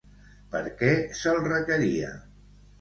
Per què se'l requeria?